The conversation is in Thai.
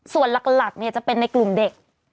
ส่วนหลักจะเป็นในกลุ่มเด็ก